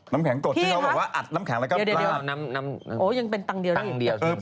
น้ำแข็งกดที่เขาบอกว่าอัดน้ำแข็งแล้วก็เดี๋ยวน้ำโอ๊ยยังเป็นตังค์เดียวตังค์เดียว